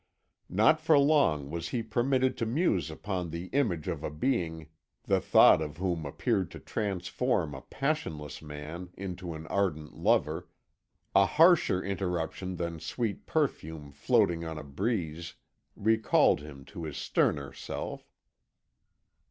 Not for long was he permitted to muse upon the image of a being the thought of whom appeared to transform a passionless man into an ardent lover; a harsher interruption than sweet perfume floating on a breeze recalled him to his sterner self.